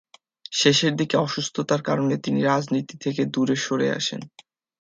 শেষের দিকে অসুস্থতার কারণে তিনি রাজনীতি থেকে দূরে সরে আসেন।